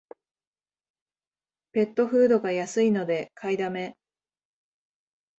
ペットフードが安いので買いだめ